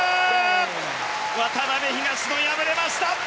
渡辺、東野、敗れました。